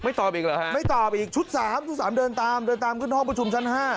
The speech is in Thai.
ตอบอีกเหรอฮะไม่ตอบอีกชุด๓ชุด๓เดินตามเดินตามขึ้นห้องประชุมชั้น๕